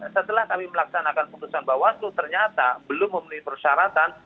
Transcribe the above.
setelah kami melaksanakan keputusan mbak waslu ternyata belum memenuhi persyaratan